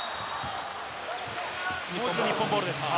もう一度、日本ボールです。